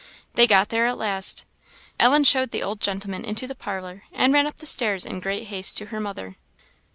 They got there at last. Ellen showed the old gentleman into the parlour, and ran up stairs in great haste to her mother.